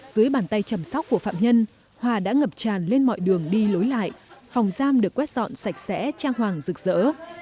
dưới bàn tay chăm sóc của phạm nhân hòa đã ngập tràn lên mọi đường đi lối lại phòng giam được quét dọn sạch sẽ trang hoàng rực rỡ